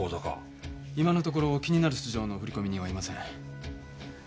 今のところ気になる素性の振込人はいません。